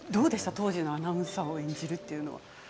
当時のアナウンサーを演じるというのは。